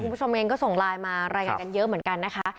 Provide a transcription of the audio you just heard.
คุณผู้ชมเองก็ส่งไลน์มารายงานกันเยอะเหมือนกันนะคะ